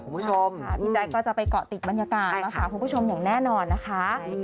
พี่ไร้ก็จะไปเกาะติดบรรยากาศนะคะคุณผู้ชมอย่างแน่นอนนะคะ